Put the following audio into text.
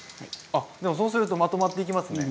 あでもそうするとまとまっていきますね。